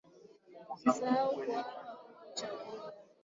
Usisahau kuwapa kuku chakula